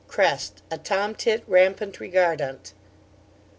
Crest a tom tit rampant regardant.